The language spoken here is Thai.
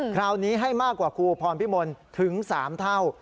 คราวนี้ให้มากกว่าครูพรพิมลถึง๓เท่า